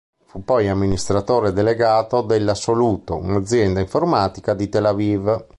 Fu poi amministratore delegato della "Soluto", un'azienda informatica di Tel Aviv.